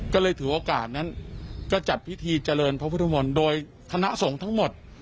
ก็เลยถือโอกาสนั้นก็จัดพิธีเจริญพระพุทธมนต์โดยคณะสงฆ์ทั้งหมด